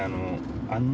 あの。